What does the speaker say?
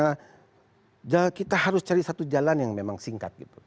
karena kita harus cari satu jalan yang memang singkat gitu